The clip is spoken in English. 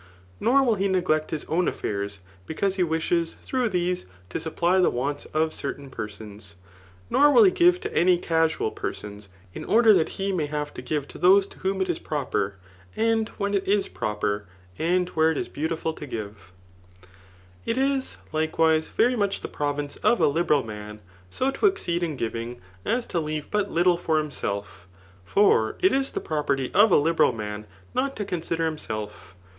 Nor will he neglect his own affairs, because he wishes, through these^ to supply die warns of certain persons. Nor will he give to any casual persons, in ord« that he may have to give to those^ Digitized by Google 118 THE NICOHAOHEAN BOoK IV. to whom it is proper, and when it is proper, and where it 16 beautiful to give. It is, likewise, very much the province of a liberal man, so to exceed in giving, as to leave but tittle for himself; for it is the property of a liberal man not to con ^der himself.